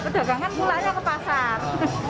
pedagang kan pulaknya ke pasar